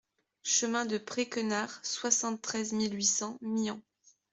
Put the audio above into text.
Chemin de Pré Quenard, soixante-treize mille huit cents Myans